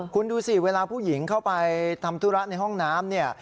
คุณดูสิเวลาผู้หญิงเข้าไปทำธุระในห้องน้ำเนี่ย